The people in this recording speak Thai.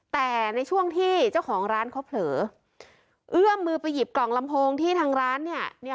แต่ในช่วงที่เจ้าของร้านเขาเผลอเอื้อมมือไปหยิบกล่องลำโพงที่ทางร้านเนี่ย